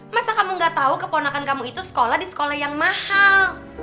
masa kamu gak tahu keponakan kamu itu sekolah di sekolah yang mahal